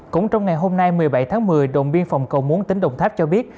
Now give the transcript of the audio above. cũng trong ngày hôm nay một mươi bảy tháng một mươi đồn biên phòng cầu muốn tỉnh đồng tháp cho biết